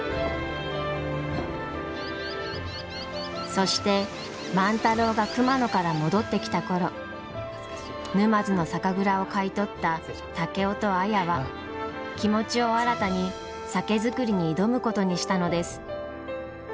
そして万太郎が熊野から戻ってきた頃沼津の酒蔵を買い取った竹雄と綾は気持ちを新たに酒造りに挑むことにしたのです。